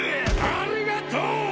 ありがとう！